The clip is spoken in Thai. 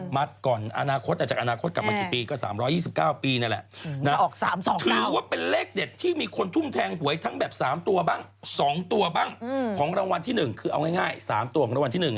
มัดก่อนอนาคตแล้วจากอนาคตกลับมากี่ปี